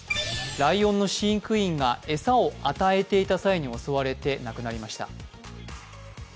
ライオンの飼育員が餌を与えていた際に襲われて亡くなりました。